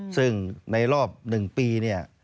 ซึ่งในรอบ๑ปีเนี่ย